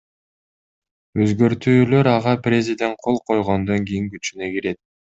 Өзгөртүүлөр ага президент кол койгондон кийин күчүнө кирет.